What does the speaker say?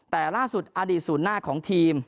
แต่ล่าสุดอดีตศูนย์หน้าของทีม